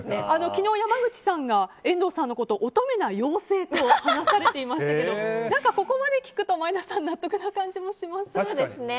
昨日、山口さんが遠藤さんのことを乙女な妖精と話されていましたけど何かここまで聞くと前田さん納得な感じもしますね。